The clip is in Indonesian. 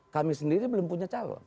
kami sendiri belum punya calon